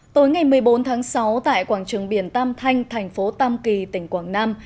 tối ngày một mươi bốn tháng sáu tại quảng trường biển tam thanh thành phố tam kỳ tỉnh quảng nam